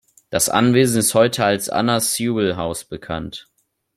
Das Anwesen ist heute als Anna Sewell House bekannt.